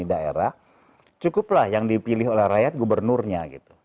di daerah cukuplah yang dipilih oleh rakyat gubernurnya gitu